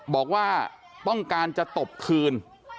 บอกว่าต้องการจะตบคืน